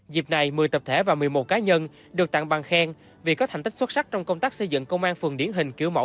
dịp này một mươi tập thể và một mươi một cá nhân được tặng bằng khen vì có thành tích xuất sắc trong công tác xây dựng công an phường điển hình kiểu mẫu